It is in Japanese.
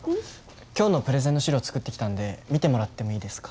今日のプレゼンの資料作ってきたんで見てもらってもいいですか？